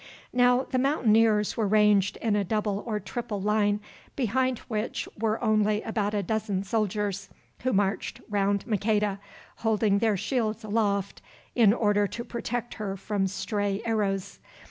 Now the Mountaineers were ranged in a double or triple line, behind which were only about a dozen soldiers, who marched round Maqueda, holding their shields aloft in order to protect her from stray arrows.